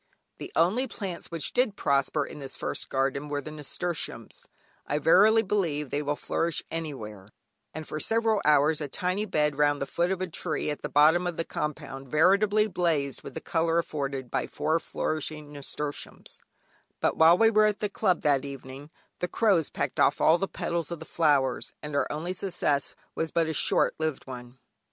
The only plants which did prosper in this first garden were the nasturtiums (I verily believe they will flourish anywhere) and for several hours a tiny bed round the foot of a tree at the bottom of the compound veritably blazed with the colour afforded by four flourishing nasturtiums; but while we were at the Club that evening, the crows pecked off all the petals of the flowers, and our only success was but a short lived one.